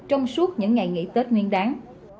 trong suốt những ngày nghỉ tết nguyên đáng